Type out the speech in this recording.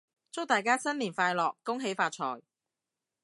祝大家新年快樂！恭喜發財！